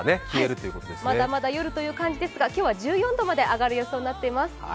まだまだ夜という感じですが今日は１４度まで上がるという予想になっています。